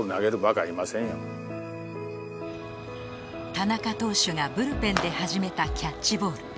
田中投手がブルペンで始めたキャッチボール